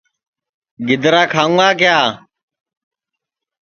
گِدرا کھاؤں گا کِیا